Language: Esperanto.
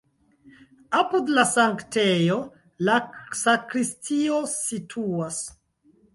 Apud la sanktejo la sakristio situas.